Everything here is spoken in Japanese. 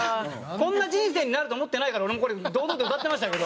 こんな人生になると思ってないから俺もこれ堂々と歌ってましたけど。